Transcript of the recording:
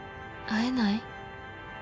「会えない？」。